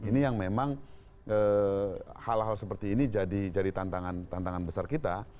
ini yang memang hal hal seperti ini jadi tantangan besar kita